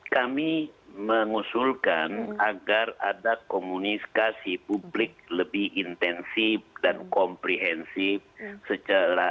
kami mengusulkan agar ada komunikasi publik lebih intensif dan komprehensif secara